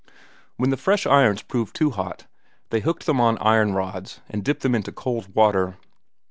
When the fresh irons proved too hot, they hooked them on iron rods and dipped them into cold water.